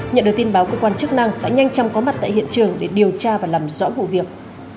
nhận được tin báo cơ quan chức năng đã nhanh chóng có mặt tại hiện trường để điều tra và làm rõ vụ việc